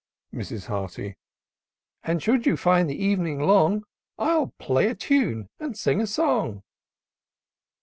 Mrs. Hearty. " And should you find the evening long, I'll play a tune and sing a song."